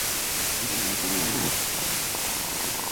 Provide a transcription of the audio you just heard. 乌特雷梅库尔。